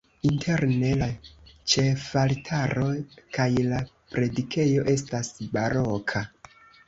Interne la ĉefaltaro kaj la predikejo estas baroka.